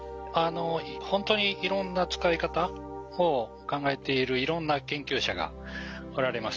ほんとにいろんな使い方を考えているいろんな研究者がおられます。